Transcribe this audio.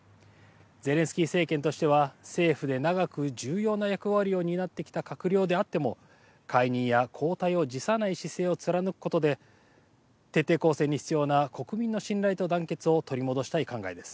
ゼレンスキー政権としては政府で長く重要な役割を担ってきた閣僚であっても解任や交代を辞さない姿勢を貫くことで徹底抗戦に必要な国民の信頼と団結を取り戻したい考えです。